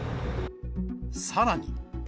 さらに。